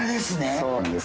そうなんです。